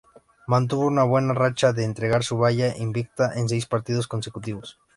Mantuvo una buena racha de entregar su valla invicta en seis partidos consecutivos.